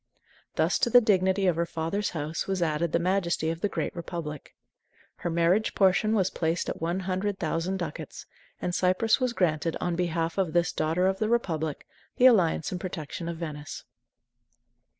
Thus to the dignity of her father's house was added the majesty of the great Republic. Her marriage portion was placed at one hundred thousand ducats, and Cyprus was granted, on behalf of this "daughter of the Republic," the alliance and protection of Venice.